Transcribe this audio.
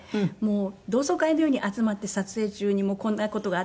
同窓会のように集まって撮影中にこんな事があった。